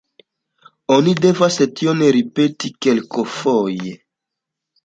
Oni devas tion ripeti kelkfoje.